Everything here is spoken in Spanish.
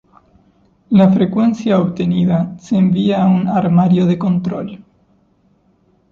La frecuencia obtenida se envía a un armario de control.